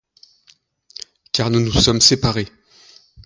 Car nous nous sommes séparées.